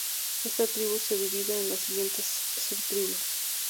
Esta tribu de divide en las siguientes subtribus.